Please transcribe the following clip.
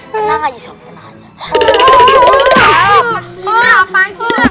tenang aja sob tenang aja